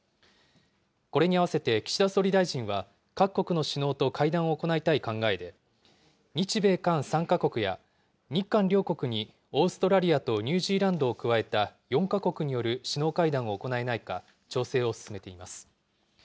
これに合わせて岸田総理大臣は各国の首脳と会談を行いたい考えで、日米韓３か国や、日韓両国にオーストラリアとニュージーランドを加えた４か国による首脳会談を行えないか調整を進めています。